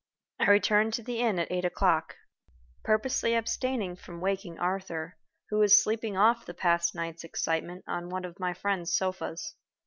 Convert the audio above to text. I returned to the inn at eight o'clock, purposely abstaining from waking Arthur, who was sleeping off the past night's excitement on one of my friend's sofas.